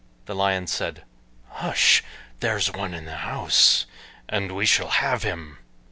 The Lion said, "Hush, there's one in the house, and we shall have him."